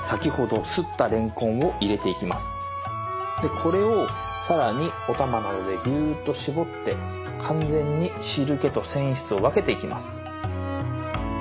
これを更におたまなどでぎゅーっと絞って完全に汁けと繊維質を分けていきます。